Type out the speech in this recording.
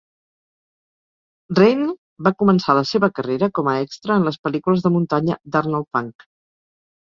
Reinl va començar la seva carrera com a extra en les pel·lícules de muntanya d'Arnold Fanck.